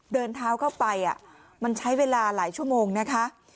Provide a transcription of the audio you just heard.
เดินเท้าเข้าไปมันใช้เวลาหลายชั่วโมงนะคะ